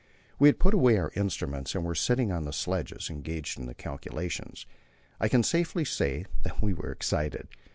We had put away our instruments and were sitting on the sledges, engaged in the calculations. I can safely say that we were excited.